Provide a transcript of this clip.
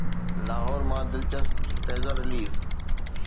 لاهور مان دلچسپ teaser release